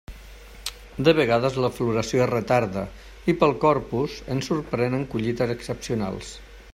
De vegades la floració es retarda, i pel Corpus ens sorprenen collites excepcionals.